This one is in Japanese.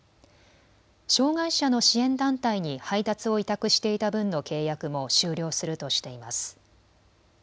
障害者の支援団体に配達を委託していた分の契約も終了するとしています。